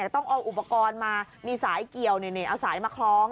ต้องเอาอุปกรณ์มามีสายเกี่ยวเอาสายมาคล้อง